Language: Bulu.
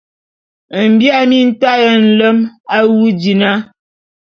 Mbia mintaé nlem awu dina!